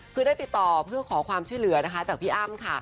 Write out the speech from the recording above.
คือได้ติดต่อเพื่อขอความช่วยเหลือนะคะจากพี่อ้ำค่ะ